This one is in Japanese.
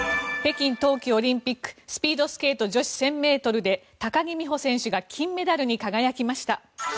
北京冬季オリンピックスピードスケート女子１０００ｍで高木美帆選手が金メダルに輝きました。